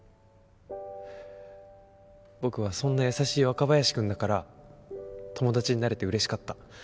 僕はそんな優しい若林くんだから友達になれて嬉しかった。